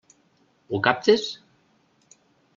Ho captes?